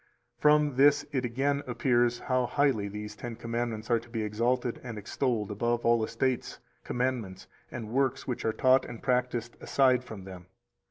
333 From this it again appears how highly these Ten Commandments are to be exalted and extolled above all estates, commandments, and works which are taught and practised aside from them.